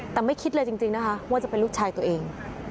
แต่ไม่คิดเลยจริงนะคะว่าจะเป็นลูกชายตัวเอง